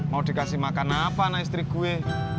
mau dikasih makan apa anak istri gue